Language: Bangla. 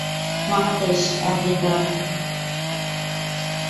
মহাদেশ: আফ্রিকা।